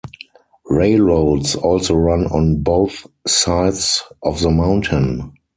Railroads also run on both sides of the mountain.